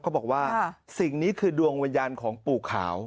บอกว่าสิ่งนี้คือดวงวิญญาณของปู่ขาว